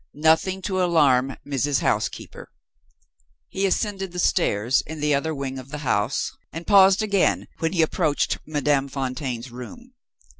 Nothing to alarm Mrs. Housekeeper! He ascended the stairs in the other wing of the house, and paused again when he approached Madame Fontaine's room.